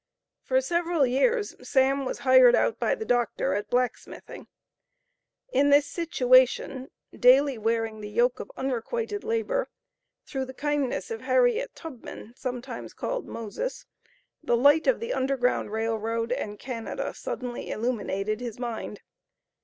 For several years, "Sam" was hired out by the doctor at blacksmithing; in this situation, daily wearing the yoke of unrequited labor, through the kindness of Harriet Tubman (sometimes called "Moses"), the light of the Underground Rail Road and Canada suddenly illuminated his mind.